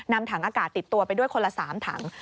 นำถังอากาศติดตัวไปด้วยคนละ๓ถัง